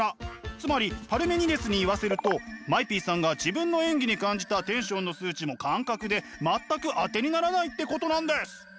つまりパルメニデスに言わせるとＭＡＥＰさんが自分の演技に感じたテンションの数値も感覚で全く当てにならないってことなんです！